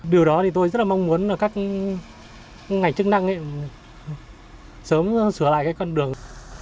điều đó thì tôi rất là mong muốn là các ngành chức năng sớm sửa lại cái con đường